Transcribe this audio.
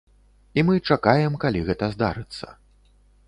І мы чакаем, калі гэта здарыцца.